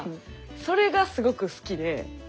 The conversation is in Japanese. それがすごく好きで。